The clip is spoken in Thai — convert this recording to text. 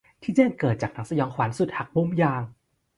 ที่แจ้งเกิดจากหนังสยองขวัญสุดหักมุมอย่าง